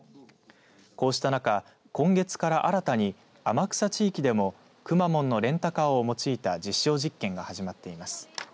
こうした中今月から新たに天草地域でもくまモンのレンタカーを用いた実証実験が始まっています。